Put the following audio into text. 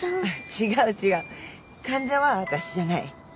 違う違う患者は私じゃない。